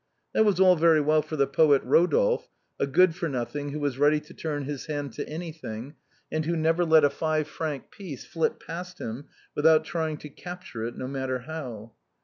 That was all very well for the poet Eodolphe, a good for noLhing who was ready to turn his hand to anything, and who never let FRANCINE*S MUFF. 241 a five franc piece flit past him without tiyiug to capture it, no matter how.